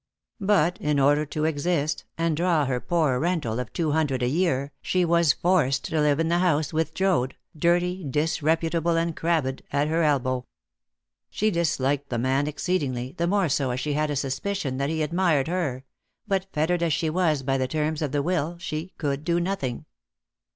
But in order to exist, and draw her poor rental of two hundred a year, she was forced to live in the house, with Joad, dirty, disreputable and crabbed, at her elbow. She disliked the man exceedingly, the more so as she had a suspicion that he admired her; but, fettered as she was by the terms of the will, she could do nothing.